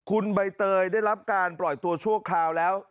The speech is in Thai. คุณใบเตยได้รับการปล่อยตัวชั่วคราวแล้ว